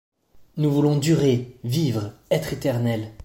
Nous voulons durer, vivre, être éternels.